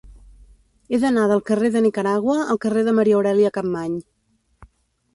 He d'anar del carrer de Nicaragua al carrer de Maria Aurèlia Capmany.